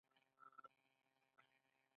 د نظام الملک په قول نورو سلاطینو هم دا کار کړی.